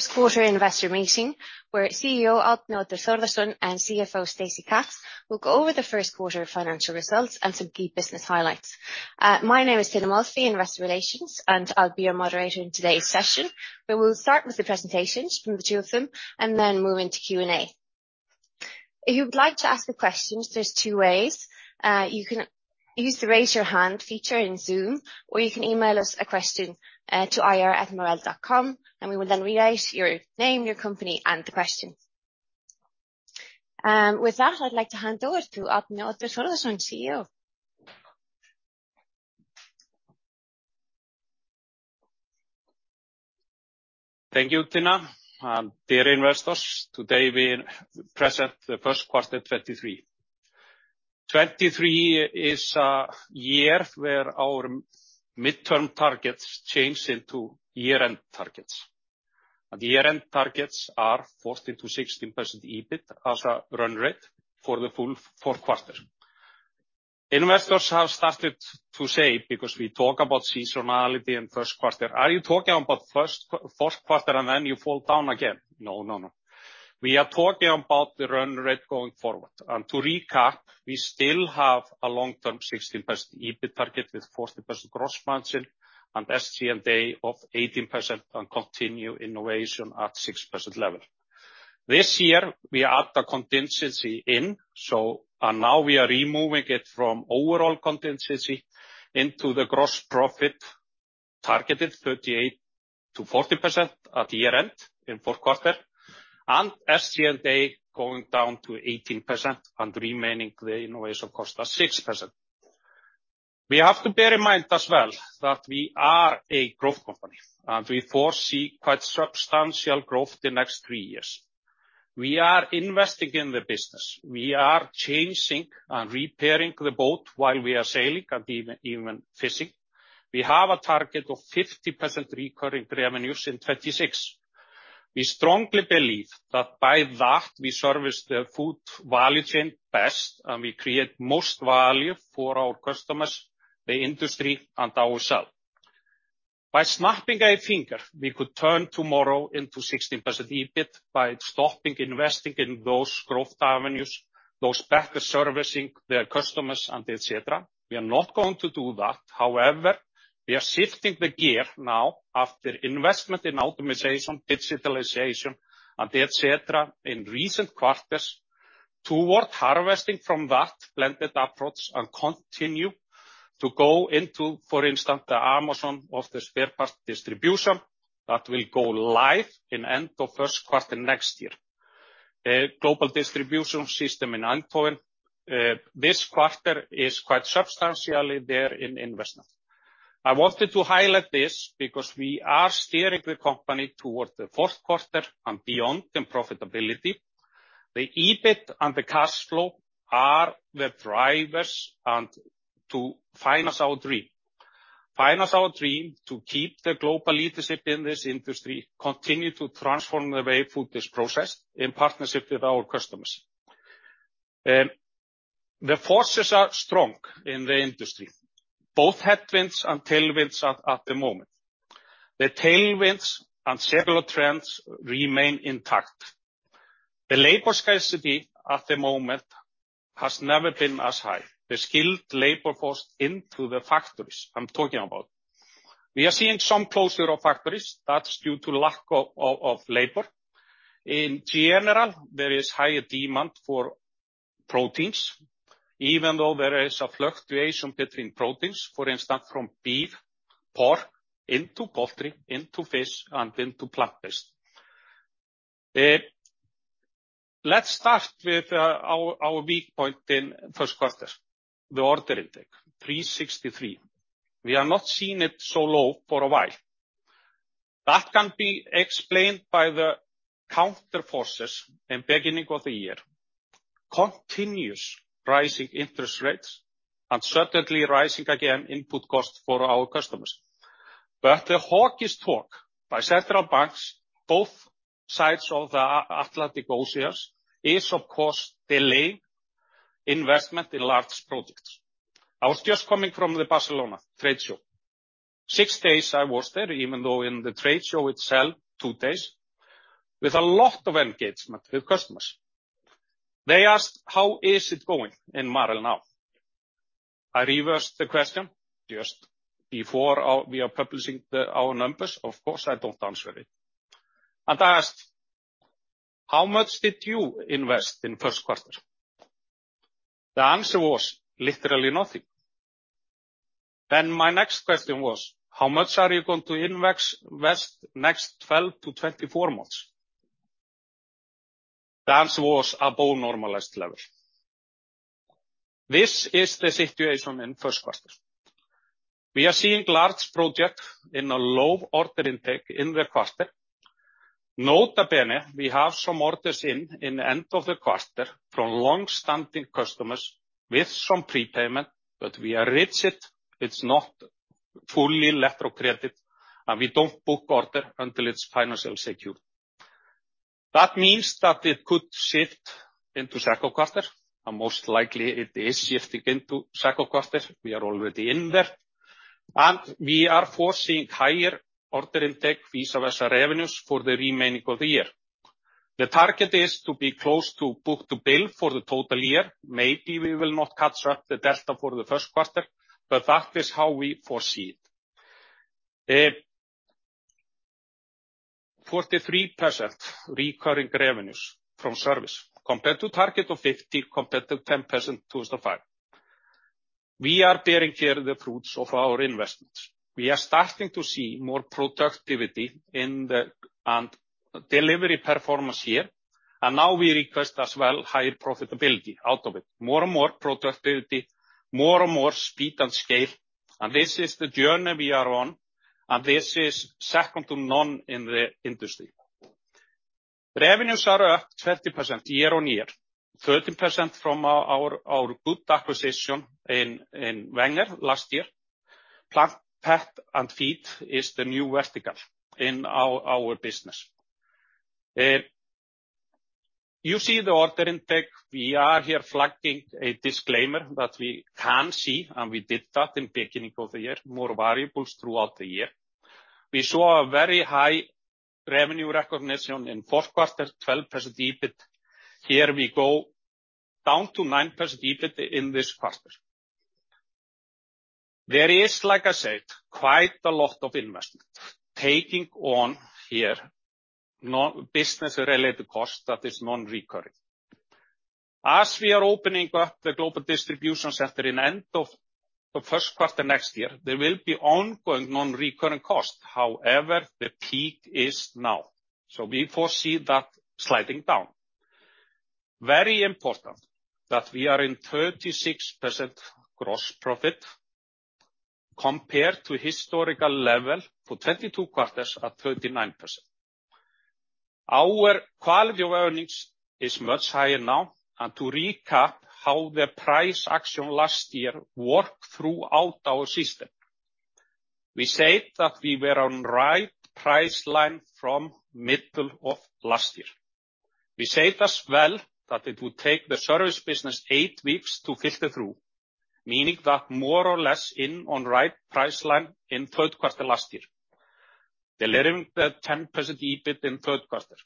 First quarter investor meeting, where CEO Arnar Thór Thórisson and CFO Stacey Katz will go over the First Quarter Financial Results and some key business highlights. My name is Tinna Molphy, investor relations, and I'll be your moderator in today's session. We will start with the presentations from the two of them and then move into Q&A. If you would like to ask the questions, there's two ways. You can use the Raise Your Hand feature in Zoom, or you can email us a question to ir@marel.com, and we will then read out your name, your company, and the question. With that, I'd like to hand over to Arnar Thór Thórisson, CEO. Thank you, Tina. Dear investors, today we present the first quarter 2023. 2023 is a year where our midterm targets change into year-end targets. The year-end targets are 14%-16% EBIT as a run rate for the full fourth quarter. Investors have started to say, because we talk about seasonality and first quarter, "Are you talking about fourth quarter and then you fall down again?" No, no. We are talking about the run rate going forward. To recap, we still have a long-term 16% EBIT target with 40% gross margin and SG&A of 18% and continue innovation at 6% level. This year, we add the contingency in, now we are removing it from overall contingency into the gross profit, targeted 38%-40% at year-end in fourth quarter, and SG&A going down to 18% and remaining the innovation cost at 6%. We have to bear in mind as well that we are a growth company, we foresee quite substantial growth the next three years. We are investing in the business. We are changing and repairing the boat while we are sailing and even fishing. We have a target of 50% recurring revenues in 2026. We strongly believe that by that, we service the food value chain best, we create most value for our customers, the industry, and ourselves. By snapping a finger, we could turn tomorrow into 16% EBIT by stopping investing in those growth avenues, those better servicing their customers, and et cetera. We are not going to do that. We are shifting the gear now after investment in optimization, digitalization, and et cetera in recent quarters toward harvesting from that blended approach and continue to go into, for instance, the Amazon of the spare parts distribution that will go live in end of first quarter next year. Global distribution system in endpoint. This quarter is quite substantially there in investment. I wanted to highlight this because we are steering the company towards the fourth quarter and beyond in profitability. The EBIT and the cash flow are the drivers and to finance our dream. Finance our dream to keep the global leadership in this industry, continue to transform the way food is processed in partnership with our customers. The forces are strong in the industry, both headwinds and tailwinds at the moment. The tailwinds and secular trends remain intact. The labor scarcity at the moment has never been as high. The skilled labor force into the factories, I'm talking about. We are seeing some closure of factories. That's due to lack of labor. In general, there is higher demand for proteins, even though there is a fluctuation between proteins, for instance, from beef, pork, into poultry, into fish, and into plant-based. Let's start with our weak point in first quarter, the order intake, 363. We have not seen it so low for a while. That can be explained by the counter forces in beginning of the year, continuous rising interest rates and suddenly rising again input costs for our customers. The hawkish talk by central banks, both sides of the Atlantic Ocean, is of course delaying investment in large projects. I was just coming from the Barcelona trade show. Six days I was there, even though in the trade show itself, two days, with a lot of engagement with customers. They asked, "How is it going in Marel now?" I reversed the question just before we are publishing our numbers. Of course, I don't answer it. I asked, "How much did you invest in first quarter?" The answer was literally nothing. My next question was, "How much are you going to invest next 12-24 months?" The answer was above normalized level. This is the situation in first quarter. We are seeing large project in a low order intake in the quarter. Nota bene, we have some orders in the end of the quarter from long-standing customers with some prepayment, we are rigid. It's not fully letter of credit, and we don't book order until it's financially secure. That means that it could shift into second quarter, and most likely it is shifting into second quarter. We are already in there. We are foreseeing higher order intake vis-a-vis revenues for the remaining of the year. The target is to be close to book-to-bill for the total year. Maybe we will not catch up the delta for the first quarter, but that is how we foresee it. 43% recurring revenues from service compared to target of 50, compared to 10% 2005. We are bearing here the fruits of our investments. We are starting to see more productivity and delivery performance here, and now we request as well higher profitability out of it. More and more productivity, more and more speed and scale. This is the journey we are on, and this is second to none in the industry. Revenues are up 30% year-on-year. 13% from our good acquisition in Wenger last year. Plant, Pet and Feed is the new vertical in our business. You see the order intake. We are here flagging a disclaimer that we can see, and we did that in beginning of the year, more variables throughout the year. We saw a very high revenue recognition in fourth quarter, 12% EBIT. Here we go down to 9% EBIT in this quarter. There is, like I said, quite a lot of investment taking on here. No business related cost that is non-recurring. As we are opening up the global distribution center in end of the first quarter next year, there will be ongoing non-recurring costs. However, the peak is now. We foresee that sliding down. Very important that we are in 36% Gross Profit compared to historical level for 22 quarters at 39%. Our quality of earnings is much higher now. To recap how the price action last year worked throughout our system. We said that we were on right price line from middle of last year. We said as well that it would take the service business eight weeks to filter through, meaning that more or less in on right price line in third quarter last year, delivering the 10% EBIT in third quarter.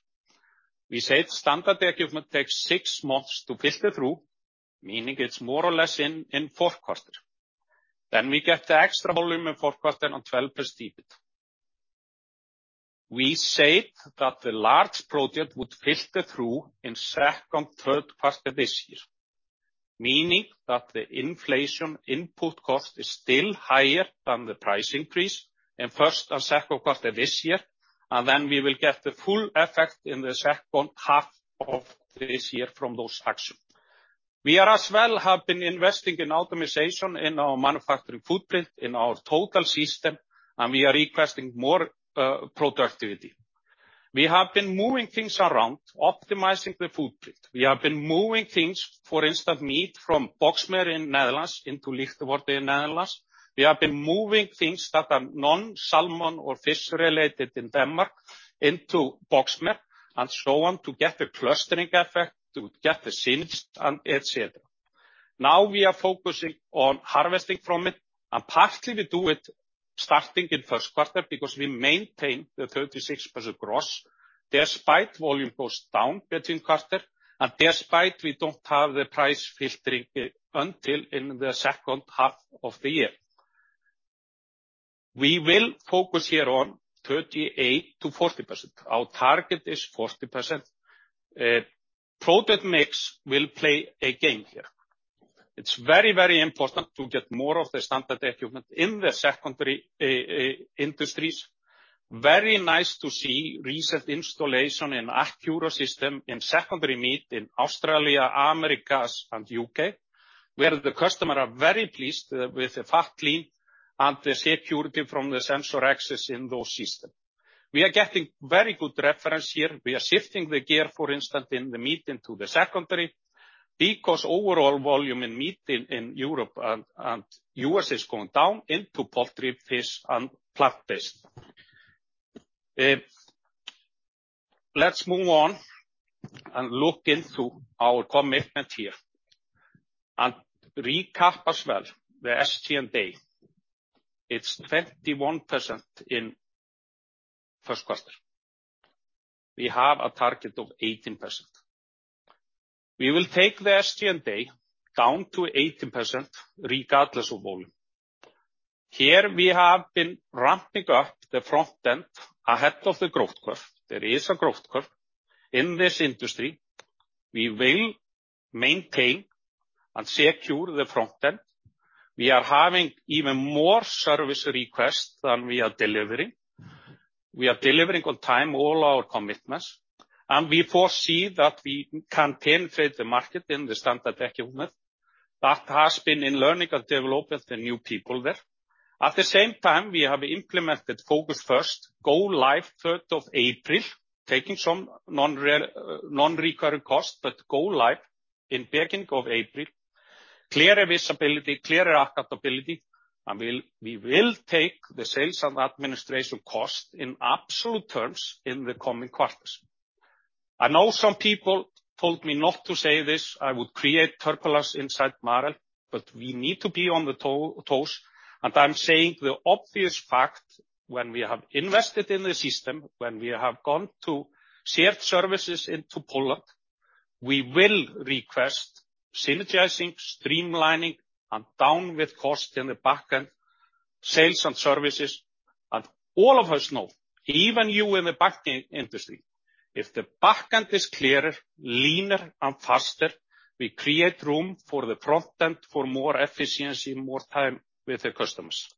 We said standard equipment takes six months to filter through, meaning it's more or less in fourth quarter. We get the extra volume in fourth quarter on 12% EBIT. We said that the large project would filter through in second, third quarter this year, meaning that the inflation input cost is still higher than the price increase in first and second quarter this year. We will get the full effect in the second half of this year from those actions. We are as well have been investing in optimization in our manufacturing footprint in our total system, and we are requesting more productivity. We have been moving things around, optimizing the footprint. We have been moving things, for instance, meat from Boxmeer in Netherlands into Lichtenvoorde in Netherlands. We have been moving things that are non-salmon or fish related in Denmark into Boxmeer and so on to get the clustering effect, to get the syncs and et cetera. Now we are focusing on harvesting from it and partly we do it starting in first quarter because we maintain the 36% gross despite volume goes down between quarter and despite we don't have the price filtering, until in the second half of the year. We will focus here on 38%-40%. Our target is 40%. Product mix will play a game here. It's very, very important to get more of the standard equipment in the secondary industries. Very nice to see recent installation in Accuro system in secondary meat in Australia, Americas and U.S., where the customer are very pleased with the fat trim and the security from the SensorX in those system. We are getting very good reference here. We are shifting the gear, for instance, in the meat into the secondary because overall volume in meat in Europe and U.S. is going down into poultry, fish and plant-based. Let's move on and look into our commitment here recap as well the SG&A. It's 21% in first quarter. We have a target of 18%. We will take the SG&A down to 18% regardless of volume. Here we have been ramping up the front end ahead of the growth curve. There is a growth curve in this industry. We will maintain and secure the front end. We are having even more service requests than we are delivering. We are delivering on time all our commitments, and we foresee that we can penetrate the market in the standard equipment. That has been in learning and developing the new people there. At the same time, we have implemented Focus First, go live 3rd of April, taking some non-recurring costs, but go live in beginning of April. Clearer visibility, clearer accountability. We will take the sales and administration costs in absolute terms in the coming quarters. I know some people told me not to say this. I would create turbulence inside Marel, but we need to be on the toe, toes, and I'm saying the obvious fact, when we have invested in the system, when we have gone to shared services into Poland, we will request synergizing, streamlining, and down with cost in the back end, sales and services. All of us know, even you in the bank in-industry, if the back end is clearer, leaner, and faster, we create room for the front end for more efficiency, more time with the customers.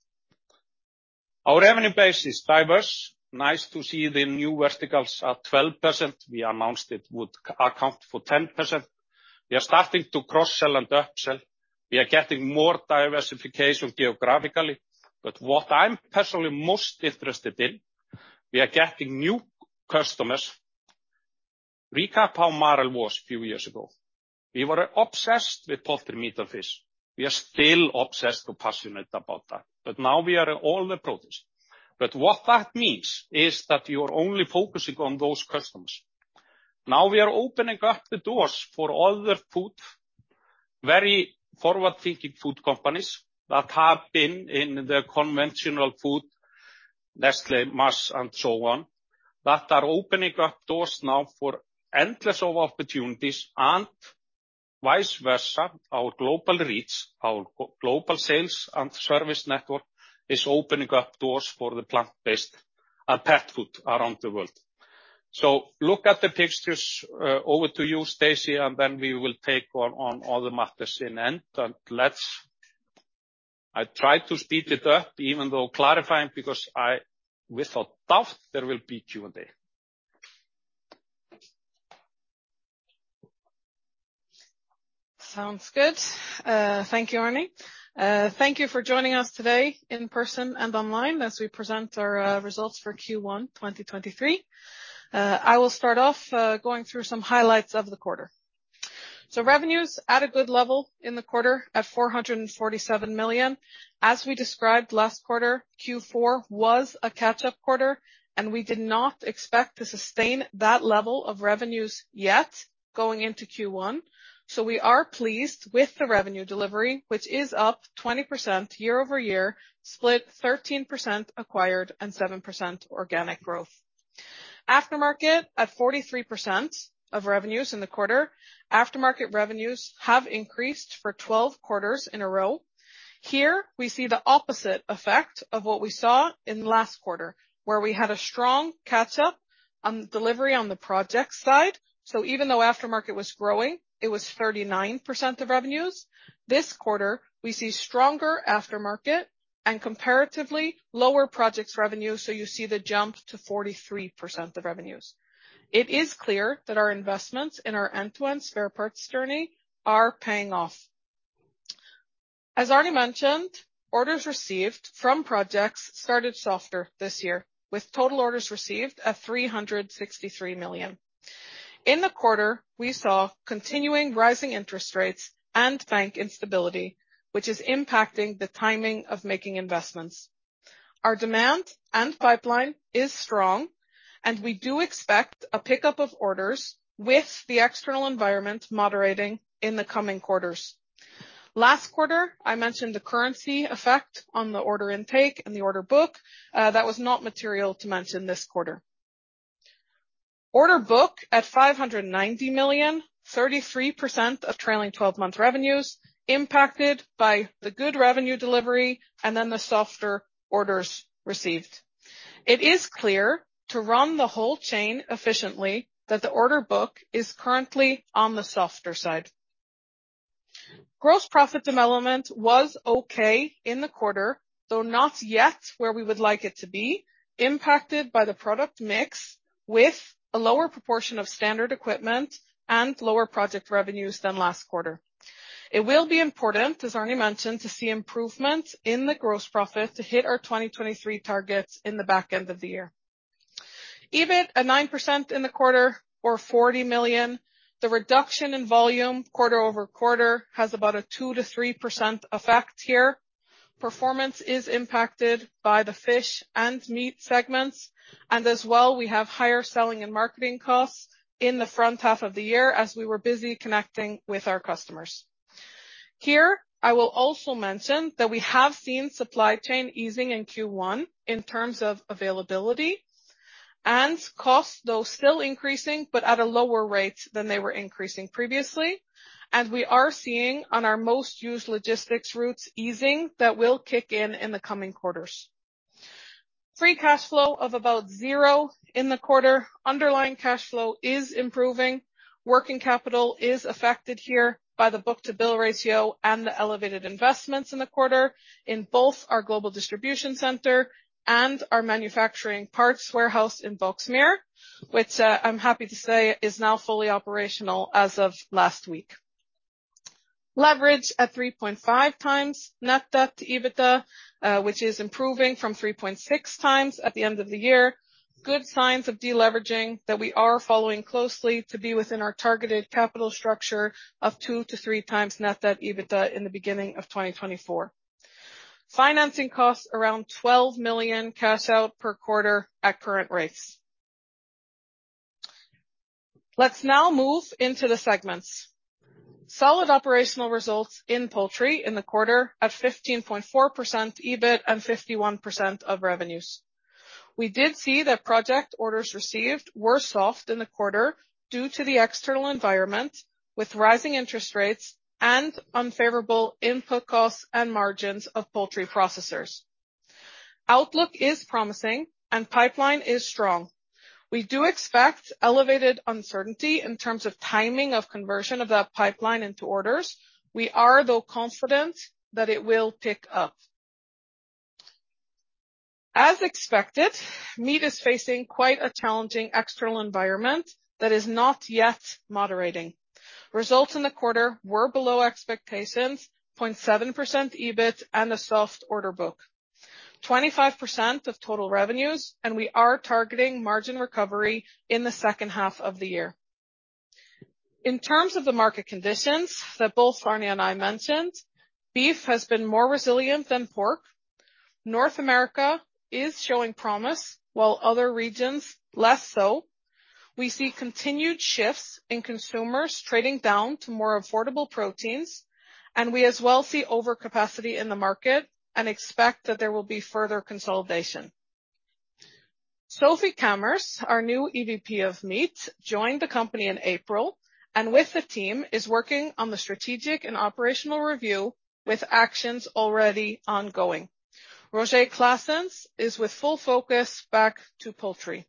Our revenue base is diverse. Nice to see the new verticals at 12%. We announced it would account for 10%. We are starting to cross-sell and upsell. We are getting more diversification geographically. What I'm personally most interested in, we are getting new customers. Recap how Marel was few years ago. We were obsessed with poultry, meat, and fish. We are still obsessed to passionate about that, but now we are in all the produce. What that means is that we were only focusing on those customers. Now we are opening up the doors for other food, very forward-thinking food companies that have been in the conventional food, Nestlé, Mars, and so on, that are opening up doors now for endless of opportunities and vice versa, our global reach, our global sales and service network is opening up doors for the plant-based and pet food around the world. Look at the pictures. over to you, Stacey, and then we will take on all the matters in end. I try to speed it up even though clarifying because without doubt there will be Q&A. Sounds good. Thank you, Arni. Thank you for joining us today in person and online as we present our results for Q1 2023. I will start off going through some highlights of the quarter. Revenue's at a good level in the quarter at 447 million. As we described last quarter, Q4 was a catch-up quarter, and we did not expect to sustain that level of revenues yet going into Q1. We are pleased with the revenue delivery, which is up 20% year-over-year, split 13% acquired and 7% organic growth. Aftermarket at 43% of revenues in the quarter. Aftermarket revenues have increased for 12 quarters in a row. Here we see the opposite effect of what we saw in last quarter, where we had a strong catch-up on delivery on the project side. Even though aftermarket was growing, it was 39% of revenues. This quarter, we see stronger aftermarket and comparatively lower projects revenue. You see the jump to 43% of revenues. It is clear that our investments in our end-to-end spare parts journey are paying off. As Arni mentioned, orders received from projects started softer this year, with total orders received at 363 million. In the quarter, we saw continuing rising interest rates and bank instability, which is impacting the timing of making investments. Our demand and pipeline is strong, and we do expect a pickup of orders with the external environment moderating in the coming quarters. Last quarter, I mentioned the currency effect on the order intake and the order book. That was not material to mention this quarter. Order book at 590 million, 33% of trailing twelve months revenues, impacted by the good revenue delivery and then the softer orders received. It is clear to run the whole chain efficiently that the order book is currently on the softer side. Gross profit development was okay in the quarter, though not yet where we would like it to be, impacted by the product mix with a lower proportion of standard equipment and lower project revenues than last quarter. It will be important, as Arni mentioned, to see improvements in the gross profit to hit our 2023 targets in the back end of the year. EBIT at 9% in the quarter or 40 million. The reduction in volume quarter-over-quarter has about a 2%-3% effect here. Performance is impacted by the fish and meat segments. As well, we have higher selling and marketing costs in the front half of the year as we were busy connecting with our customers. Here, I will also mention that we have seen supply chain easing in Q1 in terms of availability and costs, though still increasing, but at a lower rate than they were increasing previously. We are seeing on our most used logistics routes easing that will kick in in the coming quarters. Free cash flow of about 0 in the quarter. Underlying cash flow is improving. Working capital is affected here by the book-to-bill ratio and the elevated investments in the quarter in both our global distribution center and our manufacturing parts warehouse in Boxmeer, which I'm happy to say is now fully operational as of last week. Leverage at 3.5x net debt to EBITDA, which is improving from 3.6x at the end of the year. Good signs of deleveraging that we are following closely to be within our targeted capital structure of 2x-3x net debt EBITDA in the beginning of 2024. Financing costs around 12 million cash out per quarter at current rates. Let's now move into the segments. Solid operational results in poultry in the quarter at 15.4% EBIT and 51% of revenues. We did see that project orders received were soft in the quarter due to the external environment, with rising interest rates and unfavorable input costs and margins of poultry processors. Outlook is promising and pipeline is strong. We do expect elevated uncertainty in terms of timing of conversion of that pipeline into orders. We are, though, confident that it will pick up. As expected, meat is facing quite a challenging external environment that is not yet moderating. Results in the quarter were below expectations, 0.7% EBIT and a soft order book. 25% of total revenues and we are targeting margin recovery in the second half of the year. In terms of the market conditions that both Arne and I mentioned, beef has been more resilient than pork. North America is showing promise, while other regions less so. We see continued shifts in consumers trading down to more affordable proteins, and we as well see overcapacity in the market and expect that there will be further consolidation. Sofie Cammers, our new EVP of Meat, joined the company in April, and with the team is working on the strategic and operational review with actions already ongoing. Roger Claessens is with full focus back to poultry.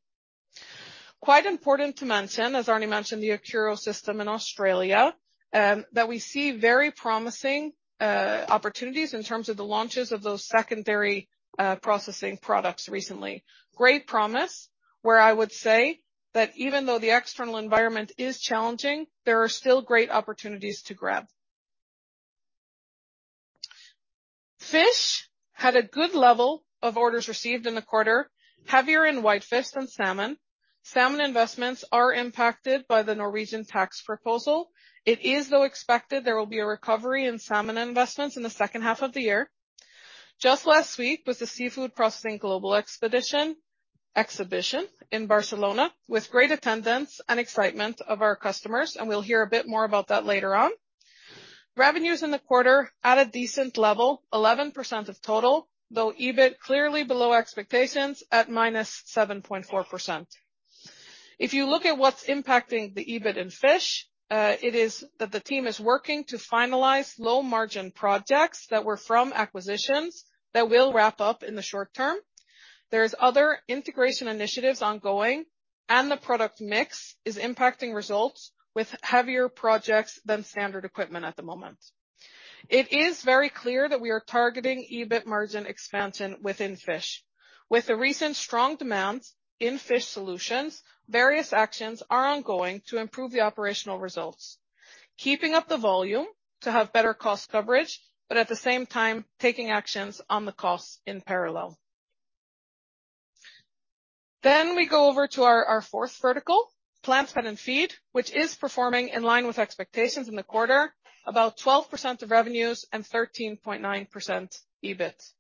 Quite important to mention, as Arne mentioned, the Accuro system in Australia, that we see very promising opportunities in terms of the launches of those secondary processing products recently. Great promise, where I would say that even though the external environment is challenging, there are still great opportunities to grab. Fish had a good level of orders received in the quarter, heavier in whitefish than salmon. Salmon investments are impacted by the Norwegian tax proposal. It is, though, expected there will be a recovery in salmon investments in the second half of the year. Just last week was the Seafood Processing Global Exhibition in Barcelona with great attendance and excitement of our customers, and we'll hear a bit more about that later on. Revenues in the quarter at a decent level, 11% of total, though EBIT clearly below expectations at -7.4%. If you look at what's impacting the EBIT in Fish, it is that the team is working to finalize low-margin projects that were from acquisitions that will wrap up in the short term. There's other integration initiatives ongoing, the product mix is impacting results with heavier projects than standard equipment at the moment. It is very clear that we are targeting EBIT margin expansion within Fish. With the recent strong demands in Fish solutions, various actions are ongoing to improve the operational results. Keeping up the volume to have better cost coverage, at the same time, taking actions on the costs in parallel. We go over to our fourth vertical, Plant, Pet and Feed, which is performing in line with expectations in the quarter, about 12% of revenues and 13.9% EBIT.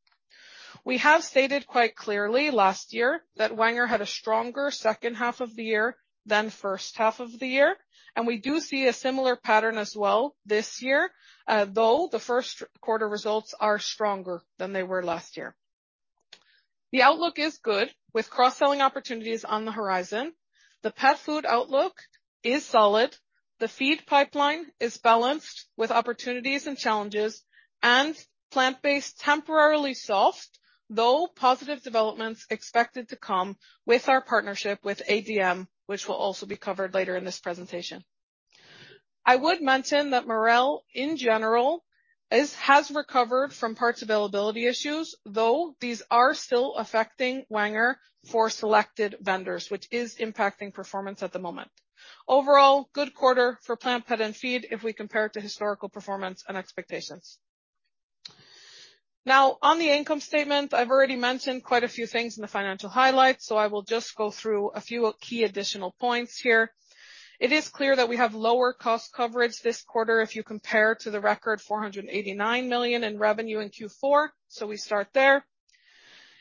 We have stated quite clearly last year that Wenger had a stronger second half of the year than first half of the year, and we do see a similar pattern as well this year. Though, the first quarter results are stronger than they were last year. The outlook is good, with cross-selling opportunities on the horizon. The pet food outlook is solid. The feed pipeline is balanced with opportunities and challenges, and plant-based temporarily soft, though positive developments expected to come with our partnership with ADM, which will also be covered later in this presentation. I would mention that Marel in general has recovered from parts availability issues. These are still affecting Wenger for selected vendors, which is impacting performance at the moment. Overall, good quarter for Plant, Pet and Feed if we compare it to historical performance and expectations. Now, on the income statement, I've already mentioned quite a few things in the financial highlights, so I will just go through a few key additional points here. It is clear that we have lower cost coverage this quarter if you compare to the record 489 million in revenue in Q4, so we start there.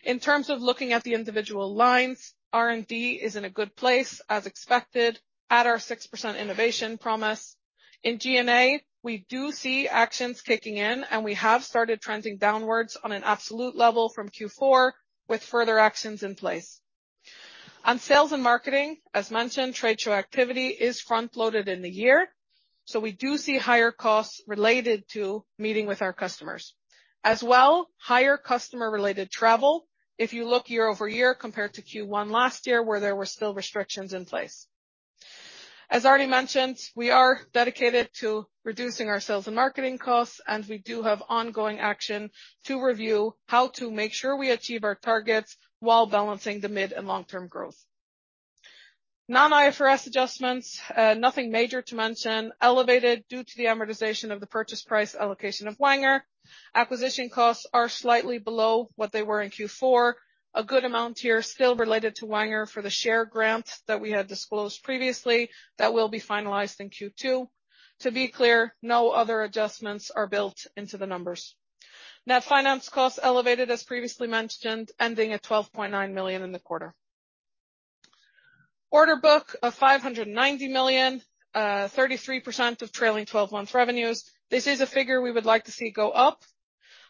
In terms of looking at the individual lines, R&D is in a good place, as expected, at our 6% innovation promise. In G&A, we do see actions kicking in, and we have started trending downwards on an absolute level from Q4 with further actions in place. On sales and marketing, as mentioned, trade show activity is front-loaded in the year. We do see higher costs related to meeting with our customers. As well, higher customer-related travel, if you look year-over-year compared to Q1 last year, where there were still restrictions in place. As already mentioned, we are dedicated to reducing our sales and marketing costs, and we do have ongoing action to review how to make sure we achieve our targets while balancing the mid and long-term growth. Non-IFRS adjustments, nothing major to mention. Elevated due to the amortization of the purchase price allocation of Wenger. Acquisition costs are slightly below what they were in Q4. A good amount here still related to Wenger for the share grant that we had disclosed previously that will be finalized in Q2. To be clear, no other adjustments are built into the numbers. Net finance costs elevated as previously mentioned, ending at 12.9 million in the quarter. Order book of 590 million, 33% of trailing-twelve-months revenues. This is a figure we would like to see go up.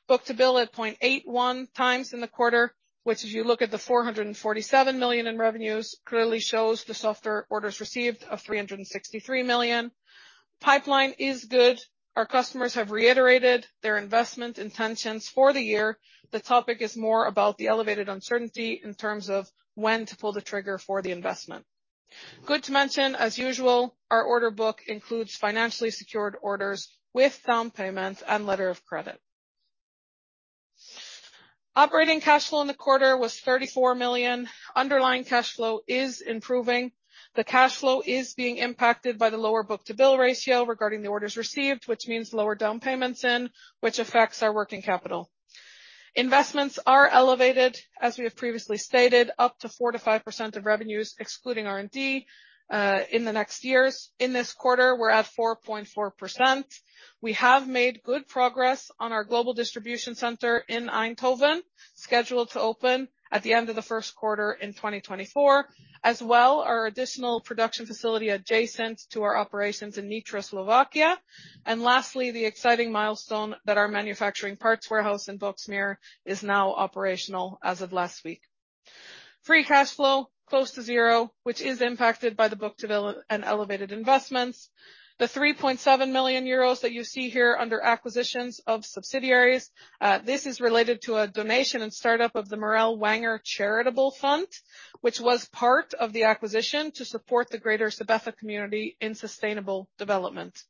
Book-to-bill at 0.81x in the quarter, which if you look at the 447 million in revenues, clearly shows the softer orders received of 363 million. Pipeline is good. Our customers have reiterated their investment intentions for the year. The topic is more about the elevated uncertainty in terms of when to pull the trigger for the investment. Good to mention, as usual, our order book includes financially secured orders with down payments and letter of credit. Operating cash flow in the quarter was 34 million. Underlying cash flow is improving. The cash flow is being impacted by the lower book-to-bill ratio regarding the orders received, which means lower down payments in, which affects our working capital. Investments are elevated, as we have previously stated, up to 4%-5% of revenues, excluding R&D, in the next years. In this quarter, we're at 4.4%. We have made good progress on our global distribution center in Eindhoven, scheduled to open at the end of the first quarter in 2024. As well, our additional production facility adjacent to our operations in Nitra, Slovakia. Lastly, the exciting milestone that our manufacturing parts warehouse in Boxmeer is now operational as of last week. Free cash flow, close to zero, which is impacted by the book-to-bill and elevated investments. The 3.7 million euros that you see here under acquisitions of subsidiaries, this is related to a donation and start-up of the Marel and Wenger Community Fund, which was part of the acquisition to support the greater Sabetha community in sustainable development.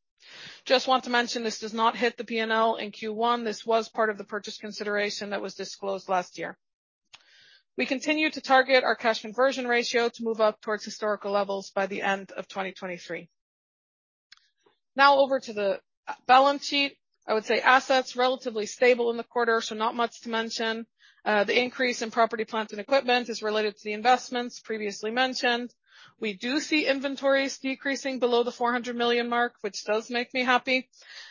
Just want to mention, this does not hit the P&L in Q1. This was part of the purchase consideration that was disclosed last year. We continue to target our cash conversion ratio to move up towards historical levels by the end of 2023. Over to the balance sheet. I would say assets, relatively stable in the quarter, so not much to mention. The increase in property, plant, and equipment is related to the investments previously mentioned. We do see inventories decreasing below the 400 million mark, which does make me happy.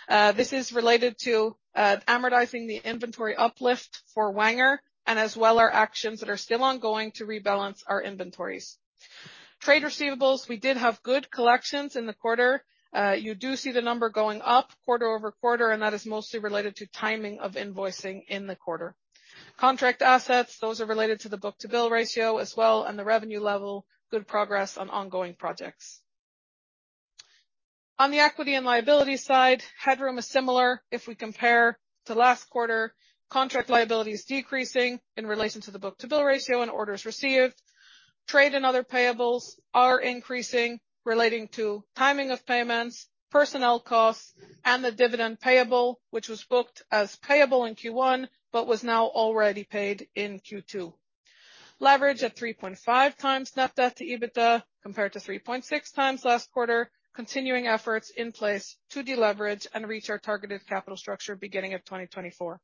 This is related to amortizing the inventory uplift for Wenger and as well our actions that are still ongoing to rebalance our inventories. Trade receivables, we did have good collections in the quarter. You do see the number going up quarter-over-quarter, and that is mostly related to timing of invoicing in the quarter. Contract assets, those are related to the book-to-bill ratio as well and the revenue level. Good progress on ongoing projects. On the equity and liability side, headroom is similar if we compare to last quarter. Contract liability is decreasing in relation to the book-to-bill ratio and orders received. Trade and other payables are increasing relating to timing of payments, personnel costs, and the dividend payable, which was booked as payable in Q1, but was now already paid in Q2. Leverage at 3.5x net debt to EBITDA compared to 3.6x last quarter. Continuing efforts in place to deleverage and reach our targeted capital structure beginning of 2024.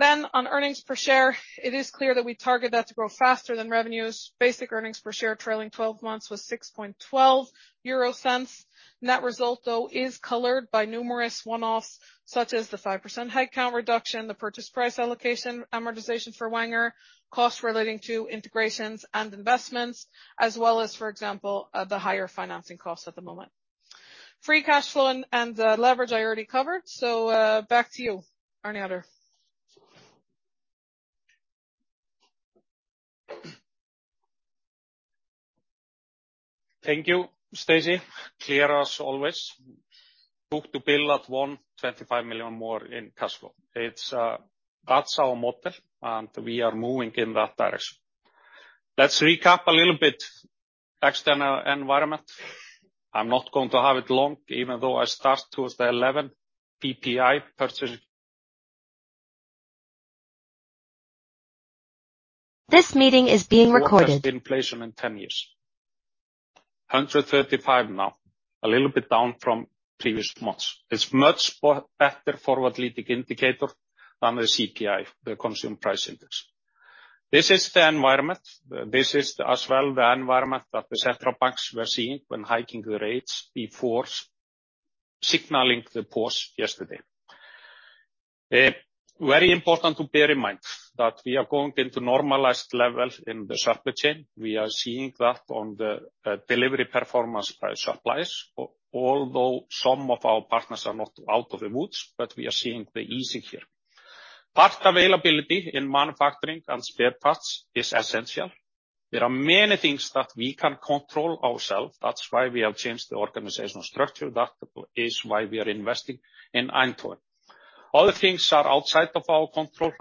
On earnings per share, it is clear that we target that to grow faster than revenues. Basic earnings per share trailing twelve months was 0.0612. Net result, though, is colored by numerous one-offs, such as the 5% headcount reduction, the purchase price allocation, amortization for Wenger, costs relating to integrations and investments, as well as, for example, the higher financing costs at the moment. Free cash flow and the leverage I already covered. Back to you, Arnar Thór Thórisson. Thank you, Stacey. Clear as always. book-to-bill at 125 million more in cash flow. It's that's our model, and we are moving in that direction. Let's recap a little bit external environment. I'm not going to have it long, even though I start to say 11 PPI. This meeting is being recorded. What has been inflation in 10 years? 135 now, a little bit down from previous months. It's much better forward-leading indicator than the CPI, the Consumer Price Index. This is the environment. This is as well the environment that the central banks were seeing when hiking the rates before signaling the pause yesterday. Very important to bear in mind that we are going into normalized levels in the supply chain. We are seeing that on the delivery performance by suppliers. Although some of our partners are not out of the woods, we are seeing the easing here. Part availability in manufacturing and spare parts is essential. There are many things that we can control ourselves. That's why we have changed the organizational structure. That is why we are investing in Eindhoven. Other things are outside of our control,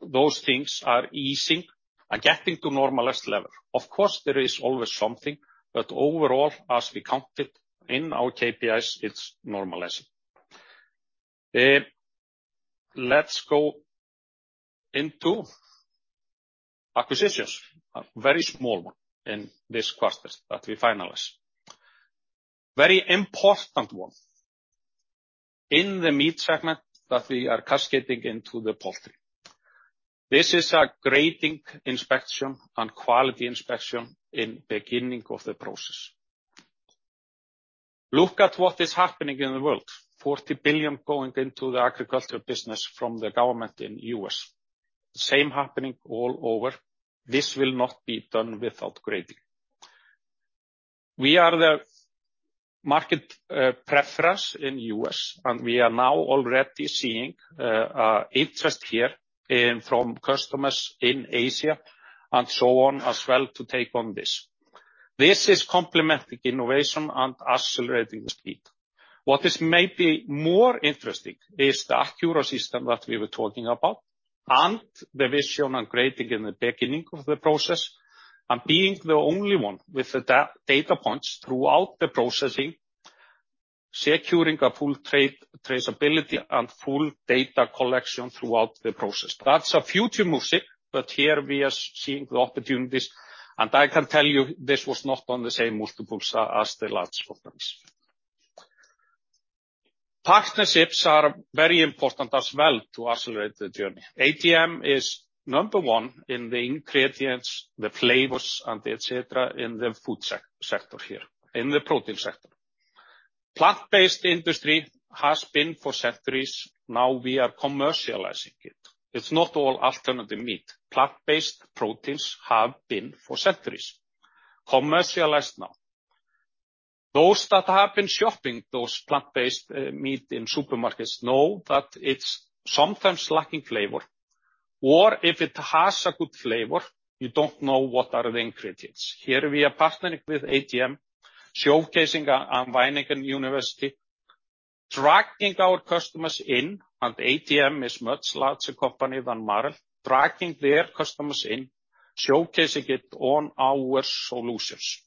those things are easing and getting to normalized level. Of course, there is always something. Overall, as we count it in our KPIs, it's normalizing. Let's go into acquisitions. A very small one in this quarter that we finalize. Very important one in the meat segment that we are cascading into the poultry. This is a grading inspection and quality inspection in beginning of the process. Look at what is happening in the world. $40 billion going into the agriculture business from the government in U.S. Same happening all over. This will not be done without grading. We are the market preference in U.S., and we are now already seeing interest here in, from customers in Asia and so on as well to take on this. This is complementing innovation and accelerating the speed. What is maybe more interesting is the Accura system that we were talking about and the vision on grading in the beginning of the process and being the only one with the data points throughout the processing, securing a full trade traceability and full data collection throughout the process. That's a future music, but here we are seeing the opportunities, and I can tell you this was not on the same multiples as the large programs. Partnerships are very important as well to accelerate the journey. ADM is number one in the ingredients, the flavors, and et cetera, in the food sector here, in the protein sector. Plant-based industry has been for centuries, now we are commercializing it. It's not all alternative meat. Plant-based proteins have been for centuries, commercialized now. Those that have been shopping those plant-based meat in supermarkets know that it's sometimes lacking flavor. If it has a good flavor, you don't know what are the ingredients. Here we are partnering with ADM, showcasing at Wageningen University, dragging our customers in, and ADM is much larger company than Marel, dragging their customers in, showcasing it on our solutions.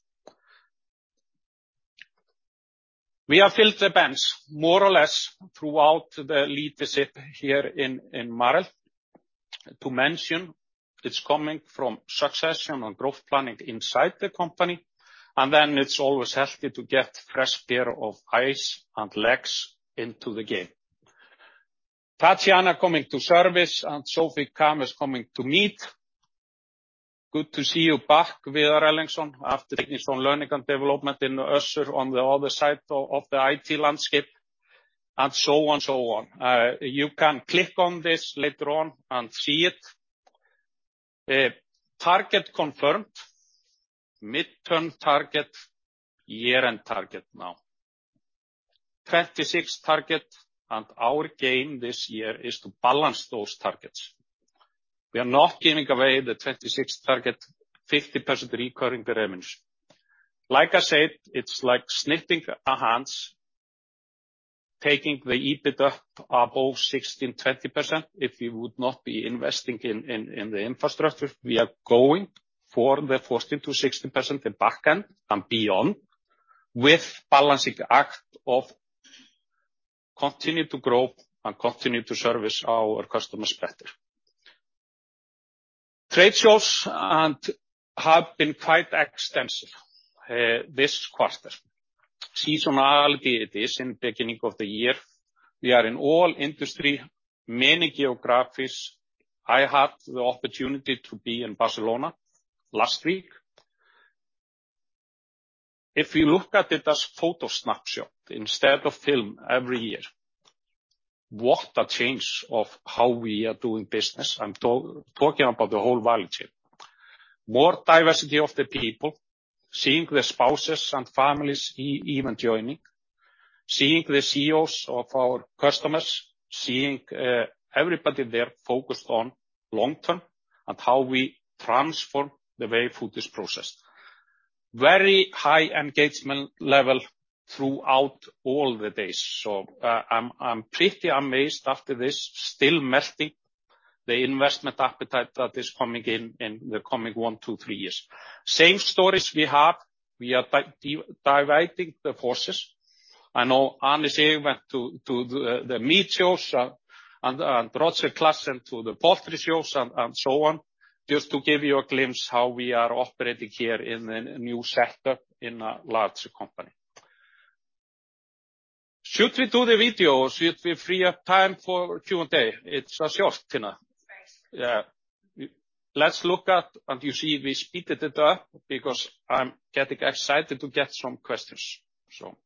We have filled the bench more or less throughout the leadership here in Marel. To mention, it's coming from succession on growth planning inside the company, it's always healthy to get fresh pair of eyes and legs into the game. Tatiana coming to Service and Sophie Kam is coming to Meat. Good to see you back, Viðar Erlingsson, after taking some learning and development in the Össur on the other side of the IT landscape, and so on and so on. You can click on this later on and see it. Target confirmed, midterm target, year-end target now. 2026 target. Our gain this year is to balance those targets. We are not giving away the 2026 target, 50% recurring revenues. Like I said, it's like snipping our hands, taking the EBIT up above 16%-20% if we would not be investing in the infrastructure. We are going for the 14%-60% in back-end and beyond with balancing act of continue to grow and continue to service our customers better. Trade shows have been quite extensive this quarter. Seasonality it is in beginning of the year. We are in all industry, many geographics. I had the opportunity to be in Barcelona last week. If you look at it as photo snapshot instead of film every year, what a change of how we are doing business. I'm talking about the whole value chain. More diversity of the people, seeing the spouses and families even joining, seeing the CEOs of our customers, seeing everybody there focused on long-term and how we transform the way food is processed. Very high engagement level throughout all the days. I'm pretty amazed after this, still melting the investment appetite that is coming in the coming one, two, three years. Same stories we have. We are dividing the forces. I know Arni Sigurdsson went to the meat shows and Roger Claessens to the poultry shows and so on, just to give you a glimpse how we are operating here in the new setup in a larger company. Should we do the video? Should we free up time for Q&A? It's short, Tina. It's very short. Yeah. Let's look at, and you see we speeded it up because I'm getting excited to get some questions, so.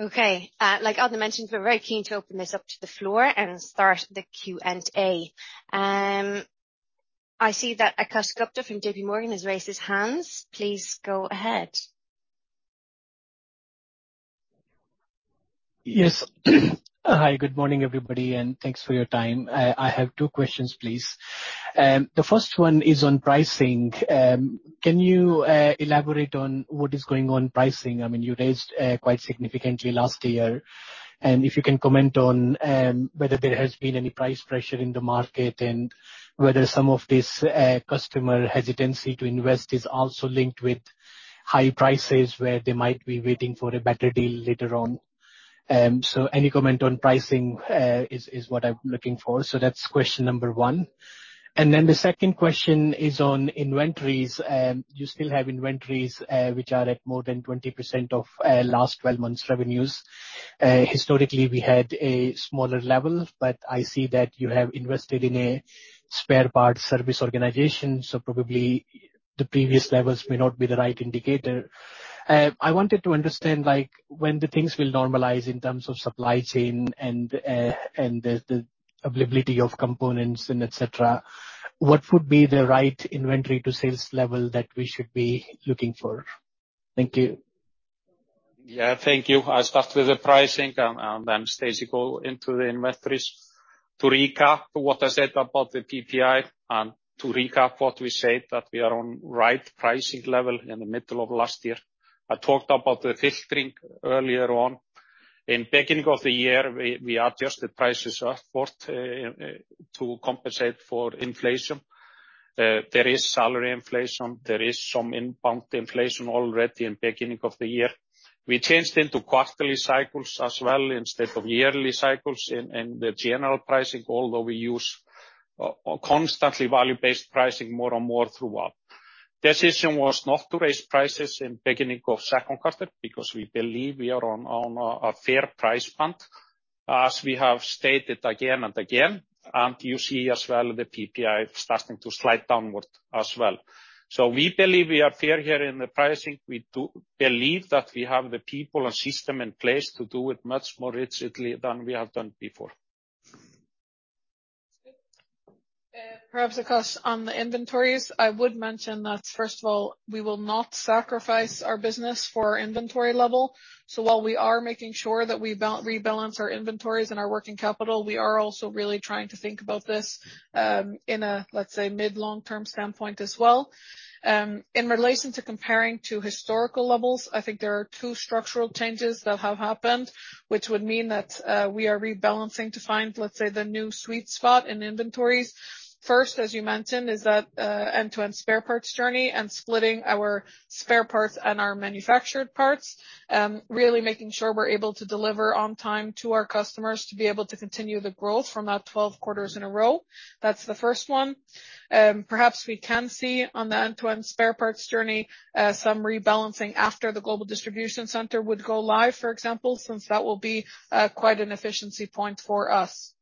Okay. like Arnar mentioned, we're very keen to open this up to the floor and start the Q&A. I see that Akash Gupta from JP Morgan has raised his hands. Please go ahead. Yes. Hi, good morning, everybody. Thanks for your time. I have two questions, please. The first one is on pricing. Can you elaborate on what is going on pricing? I mean, you raised quite significantly last year. If you can comment on whether there has been any price pressure in the market and whether some of this customer hesitancy to invest is also linked with high prices where they might be waiting for a better deal later on. Any comment on pricing is what I'm looking for. That's question number one. Then the second question is on inventories. You still have inventories which are at more than 20% of last 12 months revenues. Historically, we had a smaller level, but I see that you have invested in a spare parts service organization, so probably the previous levels may not be the right indicator. I wanted to understand, like, when the things will normalize in terms of supply chain and the availability of components and et cetera, what would be the right inventory to sales level that we should be looking for? Thank you. Thank you. I'll start with the pricing, and then Stacey go into the inventories. To recap what I said about the PPI and to recap what we said, that we are on right pricing level in the middle of last year. I talked about the filtering earlier on. In beginning of the year we adjusted prices upward to compensate for inflation. There is salary inflation, there is some inbound inflation already in beginning of the year. We changed into quarterly cycles as well instead of yearly cycles in the general pricing, although we use constantly value-based pricing more and more throughout. Decision was not to raise prices in beginning of second quarter because we believe we are on a fair price point, as we have stated again and again. You see as well the PPI starting to slide downward as well. We believe we are fair here in the pricing. We do believe that we have the people and system in place to do it much more rigidly than we have done before. Perhaps, Akash, on the inventories, I would mention that first of all, we will not sacrifice our business for our inventory level. While we are making sure that we rebalance our inventories and our working capital, we are also really trying to think about this, in a, let's say, mid-long-term standpoint as well. In relation to comparing to historical levels, I think there are two structural changes that have happened, which would mean that we are rebalancing to find, let's say, the new sweet spot in inventories. First, as you mentioned, is that end-to-end spare parts journey and splitting our spare parts and our manufactured parts, really making sure we're able to deliver on time to our customers to be able to continue the growth from that 12 quarters in a row. That's the first one. Perhaps we can see on the end-to-end spare parts journey, some rebalancing after the global distribution center would go live, for example, since that will be quite an efficiency point for us.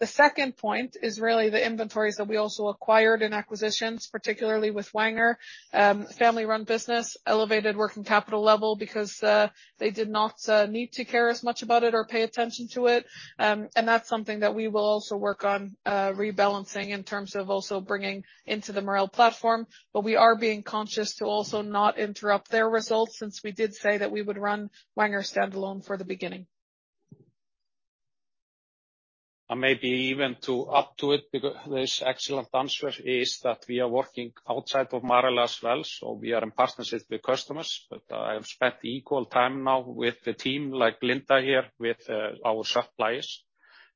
The second point is really the inventories that we also acquired in acquisitions, particularly with Wenger. Family-run business, elevated working capital level because they did not need to care as much about it or pay attention to it. And that's something that we will also work on, rebalancing in terms of also bringing into the Marel platform. We are being conscious to also not interrupt their results since we did say that we would run Wenger standalone for the beginning. Maybe even to add to it, this excellent answer is that we are working outside of Marel as well, so we are in partnership with customers. I have spent equal time now with the team like Linda here, with our suppliers.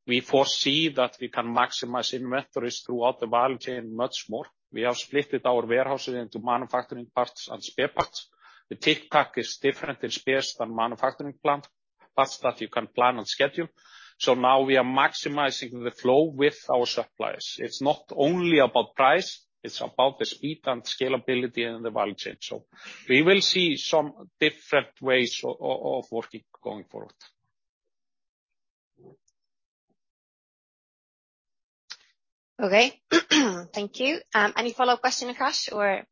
We foresee that we can maximize inventories throughout the value chain much more. We have splitted our warehouses into manufacturing parts and spare parts. The tick tack is different in spares than manufacturing Parts that you can plan and schedule. Now we are maximizing the flow with our suppliers. It's not only about price, it's about the speed and scalability in the value chain. We will see some different ways of working going forward. Okay. Thank you. Any follow-up question, Akash, or?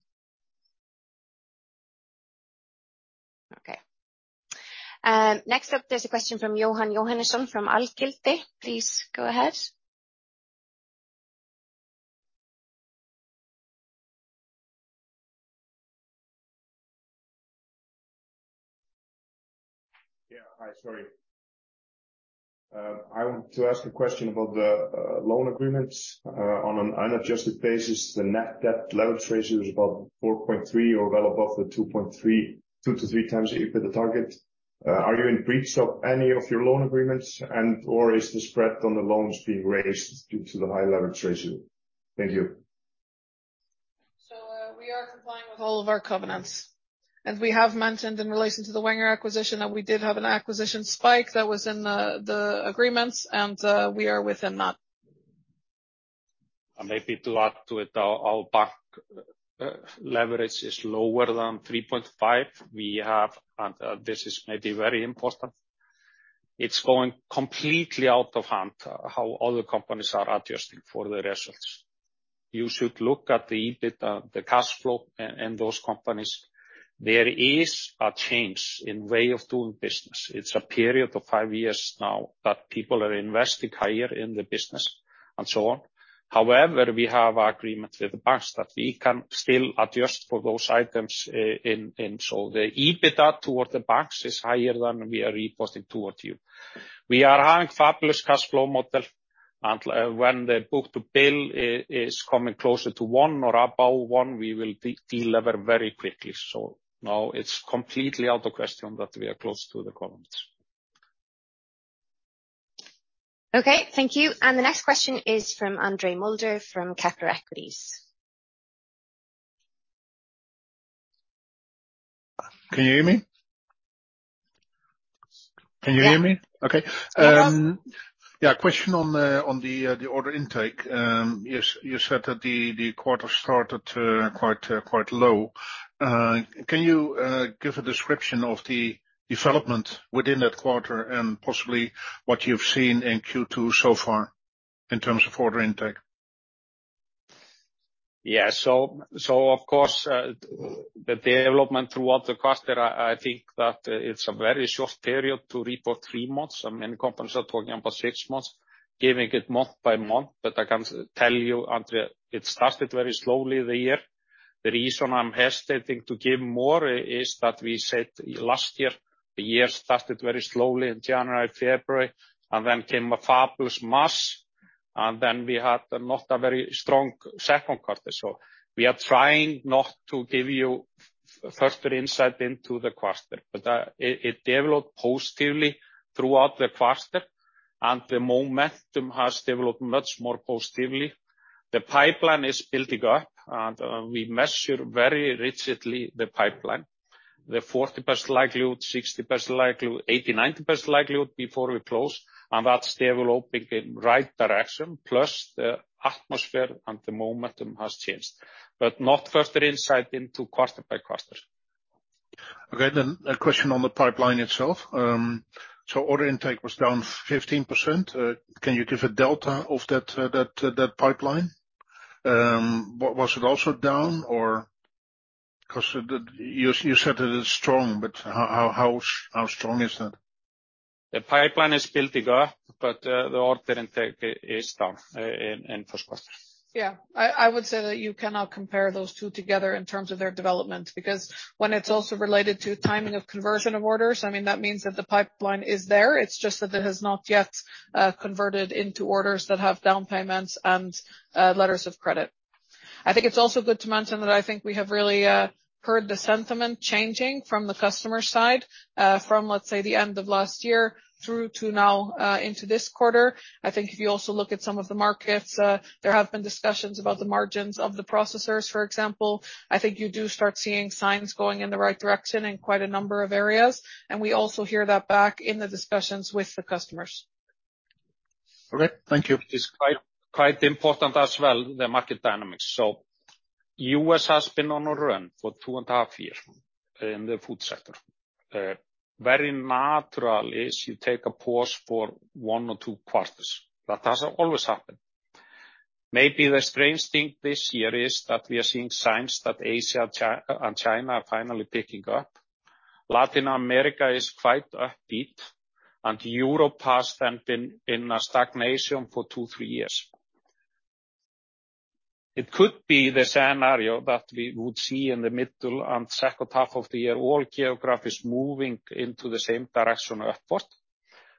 Okay. Next up, there's a question from Johan Eliason from Alkilte. Please go ahead. Yeah. Hi, sorry. I want to ask a question about the loan agreements. On an unadjusted basis, the net debt leverage ratio is about 4.3 or well above the 2.3, 2-3x EBITA target. Are you in breach of any of your loan agreements and, or is the spread on the loans being raised due to the high leverage ratio? Thank you. We are complying with all of our covenants. As we have mentioned in relation to the Wenger acquisition, that we did have an acquisition spike that was in the agreements and we are within that. Maybe to add to it, our bank leverage is lower than 3.5. We have, this is maybe very important. It's going completely out of hand how other companies are adjusting for the results. You should look at the EBITA, the cash flow in those companies. There is a change in way of doing business. It's a period of five years now that people are investing higher in the business and so on. However, we have agreements with the banks that we can still adjust for those items in. The EBITA toward the banks is higher than we are reporting towards you. We are having fabulous cash flow model. When the book to bill is coming closer to one or above one, we will delever very quickly. No, it's completely out of question that we are close to the covenants. Okay. Thank you. The next question is from Andre Mulder from Kepler Cheuvreux. Can you hear me? Can you hear me? Yeah. Okay. Yeah, question on the, on the order intake. You, you said that the quarter started, quite low. Can you give a description of the development within that quarter and possibly what you've seen in Q2 so far in terms of order intake? Of course, the development throughout the quarter, I think that it's a very short period to report 3 months, and many companies are talking about 6 months, giving it month by month. I can tell you, Andre, it started very slowly, the year. The reason I'm hesitating to give more is that we said last year, the year started very slowly in January, February, and then came a fabulous March, and then we had not a very strong second quarter. We are trying not to give you further insight into the quarter. It developed positively throughout the quarter, and the momentum has developed much more positively. The pipeline is building up, and we measure very rigidly the pipeline. The 40% likelihood, 60% likelihood, 80%, 90% likelihood before we close. That's developing in right direction, plus the atmosphere and the momentum has changed. Not further insight into quarter by quarter. A question on the pipeline itself. Order intake was down 15%. Can you give a delta of that pipeline? Was it also down or? You said it is strong, but how strong is that? The pipeline is building up, but the order intake is down in first quarter. I would say that you cannot compare those two together in terms of their development, when it's also related to timing of conversion of orders, I mean, that means that the pipeline is there, it's just that it has not yet converted into orders that have down payments and letters of credit. It's also good to mention that we have really heard the sentiment changing from the customer side from, let's say, the end of last year through to now into this quarter. If you also look at some of the markets, there have been discussions about the margins of the processors, for example. You do start seeing signs going in the right direction in quite a number of areas, and we also hear that back in the discussions with the customers. Okay. Thank you. It's quite important as well, the market dynamics. U.S. has been on a run for two and a half years in the food sector. Very natural is you take a pause for one or two quarters. That has always happened. Maybe the strange thing this year is that we are seeing signs that Asia, and China are finally picking up. Latin America is quite upbeat. Europe has been in a stagnation for two, three years. It could be the scenario that we would see in the middle and second half of the year, all geographies moving into the same direction upward.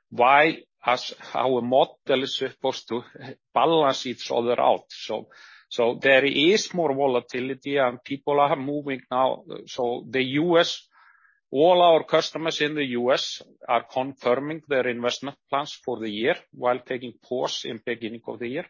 Why? As our model is supposed to balance each other out. There is more volatility and people are moving now. The U.S., all our customers in the U.S. are confirming their investment plans for the year while taking pause in beginning of the year.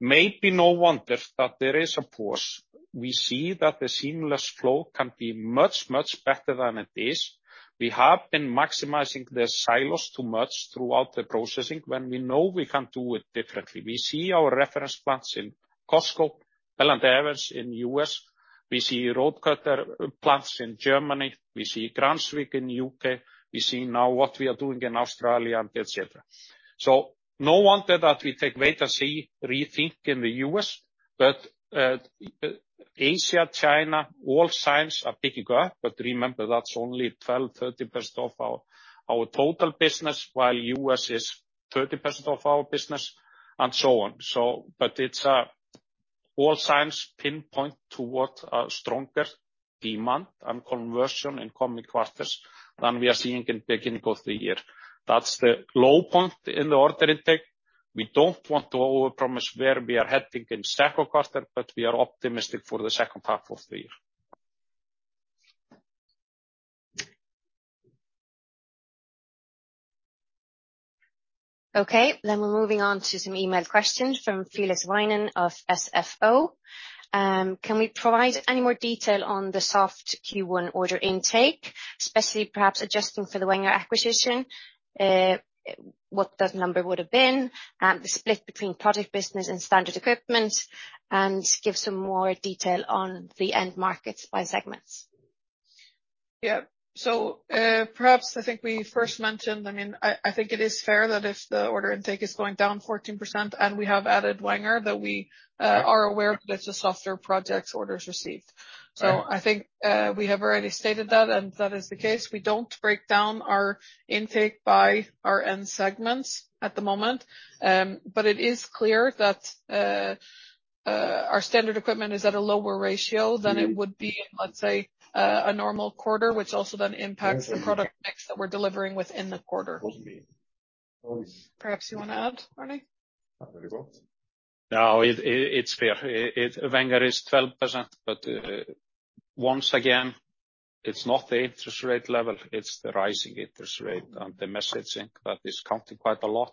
Maybe no wonder that there is a pause. We see that the seamless flow can be much, much better than it is. We have been maximizing the silos too much throughout the processing when we know we can do it differently. We see our reference plants in Costco, Bell & Evans in U.S. We see Rodenkötter plants in Germany. We see Cranswick in U.K. We see now what we are doing in Australia and et cetera. No wonder that we take wait-and-see rethink in the U.S. Asia, China, all signs are picking up, but remember, that's only 12%, 13% of our total business, while U.S. is 30% of our business and so on. All signs pinpoint towards a stronger demand and conversion in coming quarters than we are seeing in beginning of the year. That's the low point in the order intake. We don't want to overpromise where we are heading in second quarter, but we are optimistic for the second half of the year. Okay, we're moving on to some email questions from Felix Weimann of SFO. Can we provide any more detail on the soft Q1 order intake, especially perhaps adjusting for the Wenger acquisition? What that number would have been, the split between product business and standard equipment, and give some more detail on the end markets by segments. Yeah. Perhaps I think we first mentioned, I mean, I think it is fair that if the order intake is going down 14% and we have added Wenger that we are aware that it's a softer project orders received. I think we have already stated that, and that is the case. We don't break down our intake by our end segments at the moment. But it is clear that our standard equipment is at a lower ratio than it would be in, let's say, a normal quarter, which also then impacts the product mix that we're delivering within the quarter. Perhaps you wanna add, Arni? No, it's fair. Wenger is 12%, once again, it's not the interest rate level, it's the rising interest rate and the messaging that is counting quite a lot.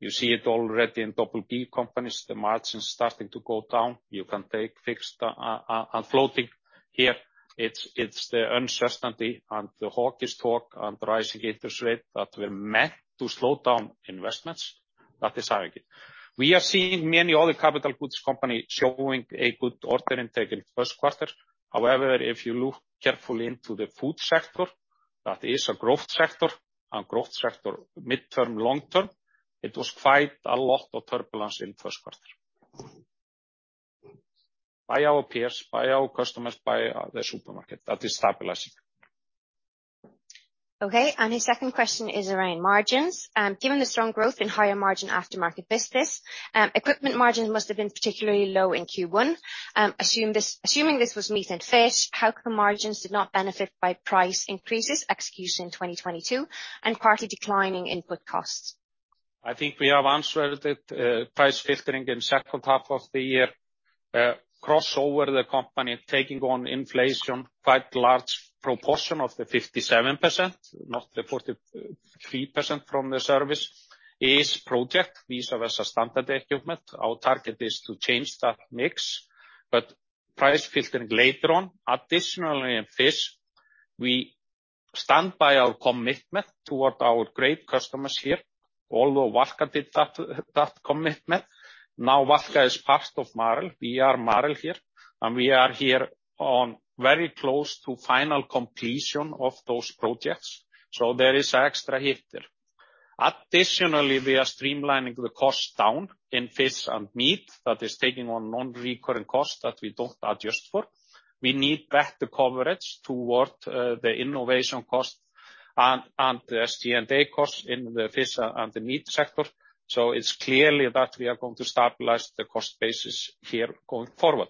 You see it already in BB companies, the margins starting to go down. You can take fixed and floating here. It's the uncertainty and the hawkish talk and rising interest rate that were meant to slow down investments that is having it. We are seeing many other capital goods company showing a good order intake in first quarter. If you look carefully into the food sector, that is a growth sector, a growth sector midterm, long term, it was quite a lot of turbulence in first quarter. By our peers, by our customers, by the supermarket, that is stabilizing. Okay, his second question is around margins. Given the strong growth in higher margin aftermarket business, equipment margins must have been particularly low in Q1. Assuming this was meat and fish, how come margins did not benefit by price increases executed in 2022 and partly declining input costs? I think we have answered it. Price filtering in second half of the year, crossover the company taking on inflation, quite large proportion of the 57%, not the 43% from the service is project visa versus standard equipment. Our target is to change that mix, but price filtering later on. Additionally, in fish, we stand by our commitment toward our great customers here. Although Valka did that commitment. Now Valka is part of Marel. We are Marel here, and we are here on very close to final completion of those projects, so there is extra hit there. Additionally, we are streamlining the cost down in fish and meat that is taking on non-recurrent costs that we don't adjust for. We need better coverage toward the innovation costs and the SG&A costs in the fish and the meat sector. It's clearly that we are going to stabilize the cost basis here going forward.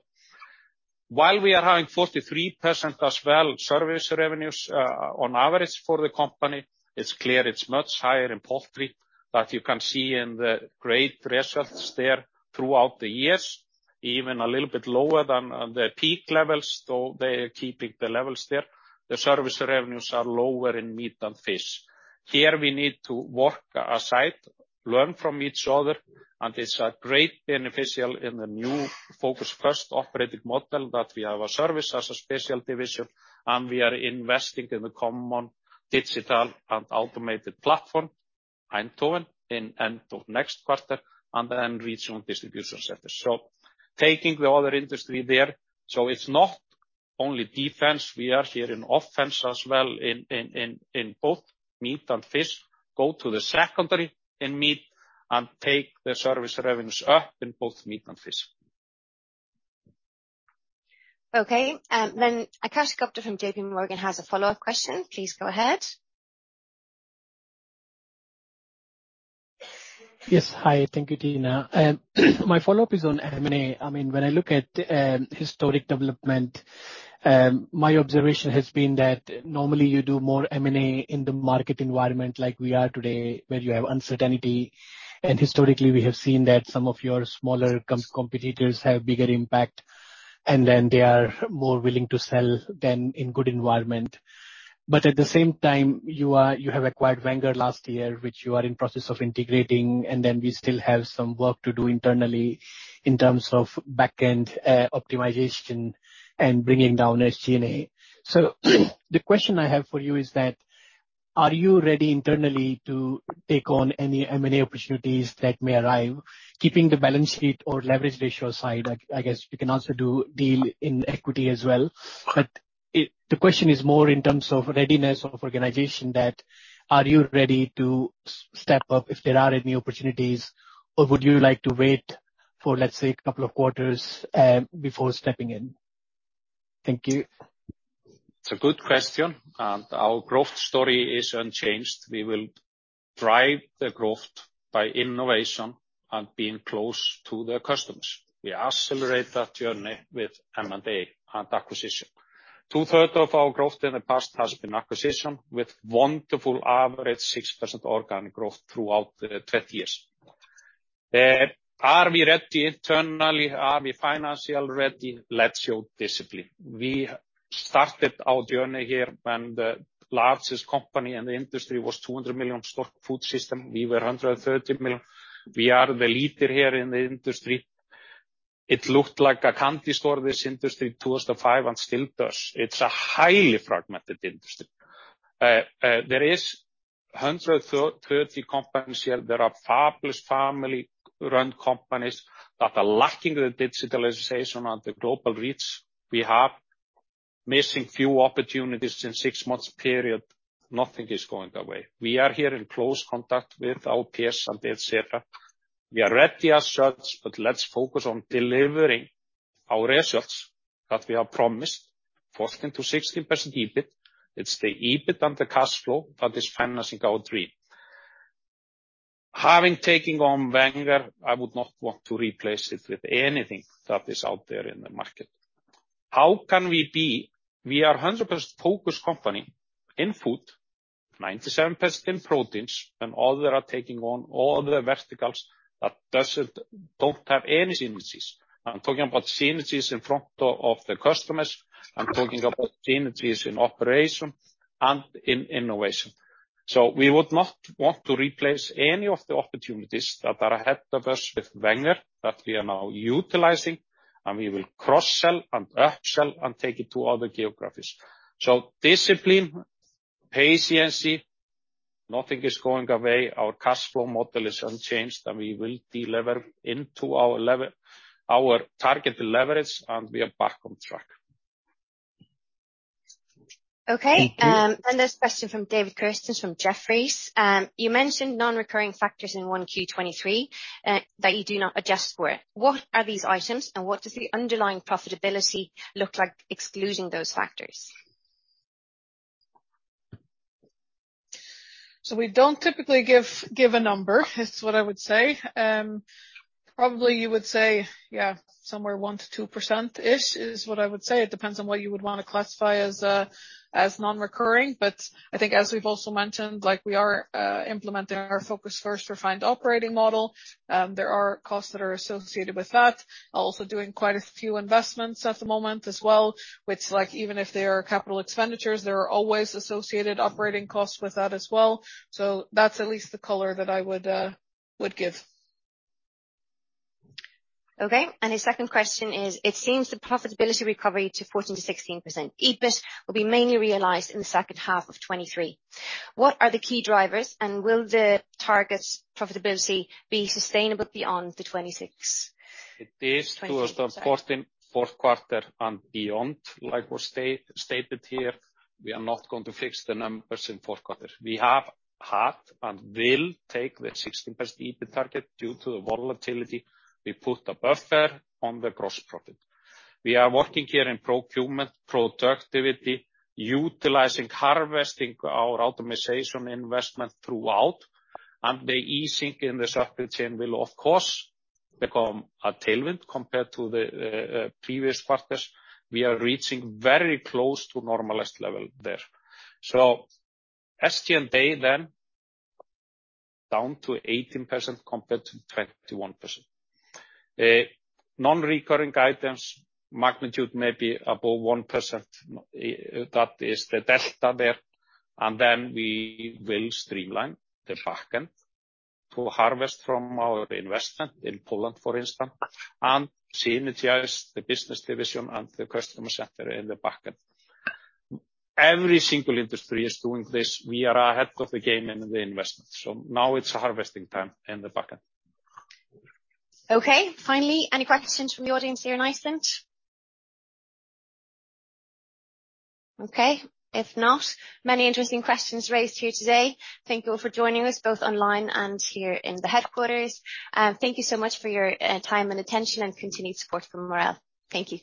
While we are having 43% as well, service revenues, on average for the company, it's clear it's much higher in poultry, but you can see in the great results there throughout the years, even a little bit lower than the peak levels, though they are keeping the levels there. The service revenues are lower in meat than fish. Here we need to work aside, learn from each other, and it's a great beneficial in the new Focus First operating model that we have a service as a special division, and we are investing in the common digital and automated platform, Eindhoven, in end of next quarter and then regional distribution centers. Taking the other industry there, so it's not only defense. We are here in offense as well in both meat and fish. Go to the secondary in meat and take the service revenues up in both meat and fish. Okay, Akash Gupta from J.P. Morgan has a follow-up question. Please go ahead. Yes. Hi. Thank you, Tinna. My follow-up is on M&A. I mean, when I look at historic development, my observation has been that normally you do more M&A in the market environment like we are today, where you have uncertainty. Historically, we have seen that some of your smaller competitors have bigger impact, and then they are more willing to sell than in good environment. At the same time, you have acquired Wenger last year, which you are in process of integrating, and then we still have some work to do internally in terms of back-end optimization and bringing down SG&A. The question I have for you is that, are you ready internally to take on any M&A opportunities that may arrive, keeping the balance sheet or leverage ratio aside? I guess you can also do deal in equity as well. The question is more in terms of readiness of organization that are you ready to step up if there are any opportunities or would you like to wait for, let's say, a couple of quarters before stepping in? Thank you. It's a good question. Our growth story is unchanged. We will drive the growth by innovation and being close to the customers. We accelerate that journey with M&A and acquisition. Two-third of our growth in the past has been acquisition with wonderful average 6% organic growth throughout the 20 years. Are we ready internally? Are we financially ready? Let's show discipline. We started our journey here when the largest company in the industry was 200 million Stork Food Systems. We were 130 million. We are the leader here in the industry. It looked like a candy store, this industry, in 2005, and still does. It's a highly fragmented industry. There is 130 companies here. There are fabulous family-runned companies that are lacking the digitalization and the global reach we have. Missing few opportunities in 6 months period, nothing is going away. We are here in close contact with our peers and et cetera. We are ready as such, but let's focus on delivering our results that we have promised, 14%-16% EBIT. It's the EBIT and the cash flow that is financing our dream. Having taking on Wenger, I would not want to replace it with anything that is out there in the market. How can we be? We are 100% focused company in food, 97% in proteins, and other are taking on all other verticals that doesn't, don't have any synergies. I'm talking about synergies in front of the customers. I'm talking about synergies in operation and in innovation. We would not want to replace any of the opportunities that are ahead of us with Wenger that we are now utilizing, and we will cross-sell and up-sell and take it to other geographies. Discipline, patience, nothing is going away. Our cash flow model is unchanged, and we will deliver into our target leverage, and we are back on track. Okay. Thank you. There's a question from David Christensen from Jefferies. You mentioned non-recurring factors in 1Q23 that you do not adjust for. What are these items, and what does the underlying profitability look like excluding those factors? We don't typically give a number, is what I would say. Probably you would say, somewhere 1%-2%-ish is what I would say. It depends on what you would wanna classify as non-recurring. I think as we've also mentioned, like, we are implementing our Focus First refined operating model. There are costs that are associated with that. Also doing quite a few investments at the moment as well, which, like, even if they are capital expenditures, there are always associated operating costs with that as well. That's at least the color that I would give. Okay. The second question is: It seems the profitability recovery to 14%-16% EBIT will be mainly realized in the second half of 2023. What are the key drivers, and will the target's profitability be sustainable beyond the 2026? It is- 20. Sorry. 2014 fourth quarter and beyond. Like was stated here, we are not going to fix the numbers in fourth quarter. We have had and will take the 16% EBIT target due to the volatility. We put a buffer on the gross profit. We are working here in procurement, productivity, utilizing, harvesting our automization investment throughout. The easing in the supply chain will of course become a tailwind compared to the previous quarters. We are reaching very close to normalized level there. SG&A then down to 18% compared to 21%. Non-recurring items magnitude may be above 1%. That is the delta there. We will streamline the back end to harvest from our investment in Poland, for instance, and synergize the business division and the customer center in the back end. Every single industry is doing this. We are ahead of the game in the investment. Now it's harvesting time in the back end. Okay. Finally, any questions from the audience here in Iceland? Okay, if not, many interesting questions raised here today. Thank you all for joining us both online and here in the headquarters. Thank you so much for your time and attention and continued support for Marel. Thank you.